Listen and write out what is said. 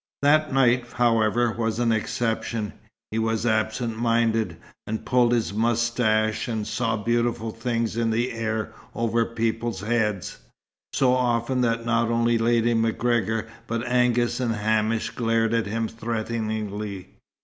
That night, however, was an exception. He was absent minded, and pulled his moustache, and saw beautiful things in the air over people's heads, so often that not only Lady MacGregor but Angus and Hamish glared at him threateningly.